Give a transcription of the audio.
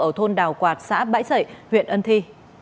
ở thôn đào quạt xã bãi dậy huyện ân thi